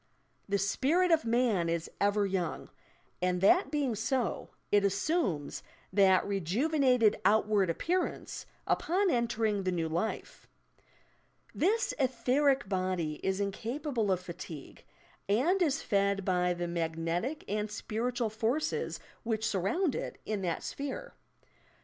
"The spirit of man is ever young," and that being so, it assumes that rejuvenated outward appearance, upon entering the new life. This etheric body is incapable of fatigue, and is fed by the magnetic and spiritual forces which surround it in that sphere.